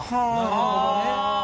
なるほどね。